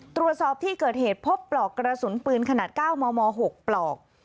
ตรวจสอบที่เกิดเหตุพบปลอกกระสุนปืนขนาด๙มม๖ปลอก